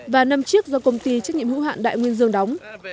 và năm chiếc do công ty trách nhiệm hữu hạn đại nguyên dương đóng